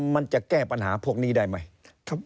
มันจะแก้ปัญหาพวกนี้ได้ไหม